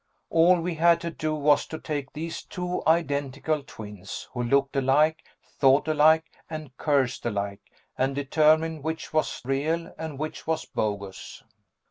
All we had to do was to take these two identical twins who looked alike, thought alike and cursed alike and determine which was real and which was bogus.